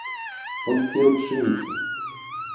Он сеял пшеницу.